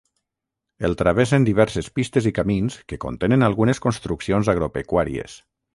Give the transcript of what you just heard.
El travessen diverses pistes i camins que contenen algunes construccions agropecuàries.